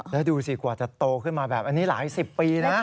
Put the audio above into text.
แล้วดูสิกว่าจะโตขึ้นมาแบบนี้หลายสิบปีนะ